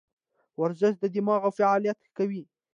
ورزش د دماغو فعالیت ښه کوي.